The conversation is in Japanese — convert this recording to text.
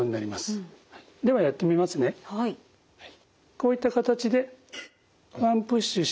こういった形でワンプッシュして。